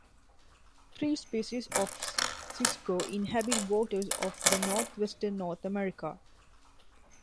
Three species of cisco inhabit waters of the northwestern North America.